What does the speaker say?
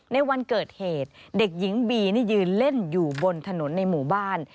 ในวันเกิดเหตุเด็กหญิงบีนี่ยืนเล่นอยู่บนถนนในหมู่บ้าน